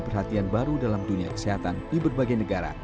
perhatian baru dalam dunia kesehatan di berbagai negara